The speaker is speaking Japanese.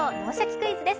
クイズ」です。